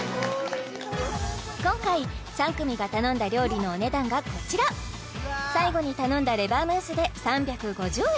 今回３組が頼んだ料理のお値段がこちら最後に頼んだレバームースで３５０円